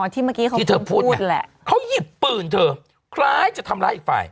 อ๋อที่เมื่อกี้เขาพูดที่เธอพูดแหละเขาหยิบปืนเธอคล้ายจะทำร้ายอีกฝ่าย